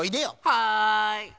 はい。